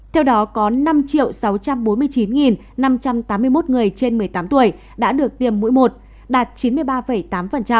theo đó có năm sáu trăm bốn mươi chín năm trăm tám mươi một người trên một mươi tám tuổi đã được tiêm mũi một đạt chín mươi ba tám